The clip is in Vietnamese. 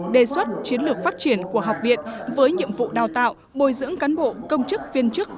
đề xuất chiến lược phát triển của học viện với nhiệm vụ đào tạo bồi dưỡng cán bộ công chức viên chức